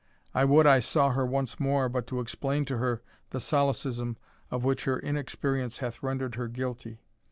I would I saw her once more, but to explain to her the solecism of which her inexperience hath rendered her guilty.